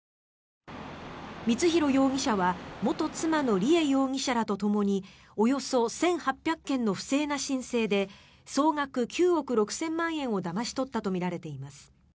光弘容疑者は元妻の梨恵容疑者らとともにおよそ１８００件の不正な申請で総額９億６０００万円をだまし取ったとみられています。